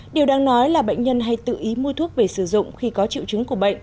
điều đang nói là bệnh nhân hay tự ý mua thuốc về sử dụng khi có triệu chứng của bệnh